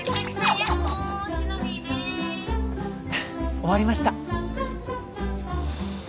終わりました。